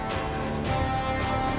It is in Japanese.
あっ！